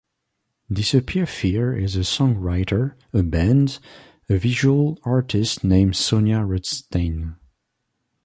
Disappear Fear is a songwriter, a band, a visual artist named Sonia Rutstein.